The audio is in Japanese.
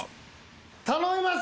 頼みます！